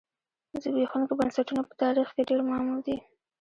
زبېښونکي بنسټونه په تاریخ کې ډېر معمول دي